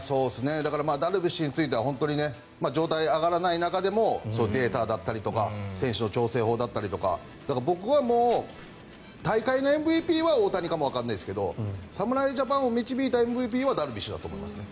ダルビッシュについては状態が上がらない中でもデータだったりとか選手の調整法だったりとか僕はもう、大会のＭＶＰは大谷かもわからなですけど侍ジャパンを導いたＭＶＰはダルビッシュだと思います。